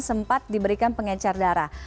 sempat diberikan pengecar darah